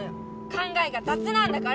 考えがざつなんだから！